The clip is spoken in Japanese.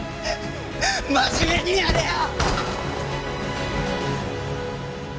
真面目にやれよ！